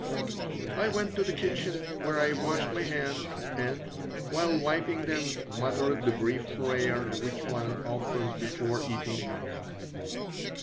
I went to the kitchen, where I washed my hands, and, while wiping them, muttered the brief prayer which one offers before eating.